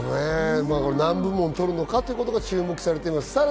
何部門取るのかということが注目されています。